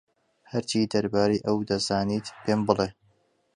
هەرچی دەربارەی ئەو دەزانیت پێم بڵێ.